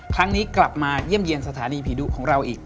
ครั้งนี้กลับมาเยี่ยมเยี่ยมสถานีผีดุของเราอีก